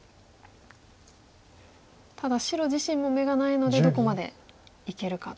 ただ白自身も眼がないのでどこまでいけるかと。